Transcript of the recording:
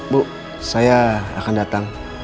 bu saya akan datang